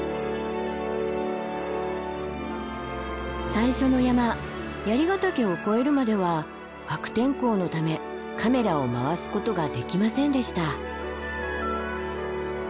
最初の山ヶ岳を越えるまでは悪天候のためカメラを回すことができませんでした。